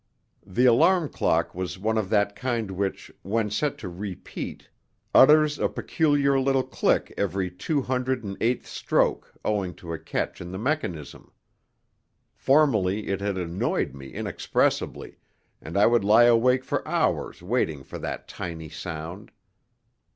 The alarm clock was one of that kind which, when set to "repeat," utters a peculiar little click every two hundred and eighth stroke owing to a catch in the mechanism. Formerly it had annoyed me inexpressibly, and I would lie awake for hours waiting for that tiny sound.